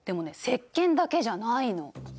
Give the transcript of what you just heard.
せっけんだけじゃないの。